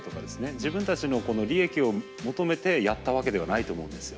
自分たちの利益を求めてやったわけではないと思うんですよ。